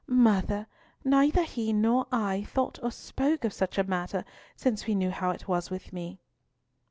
"Mother; neither he nor I have thought or spoken of such a matter since we knew how it was with me.